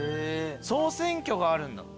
総選挙があるんだ。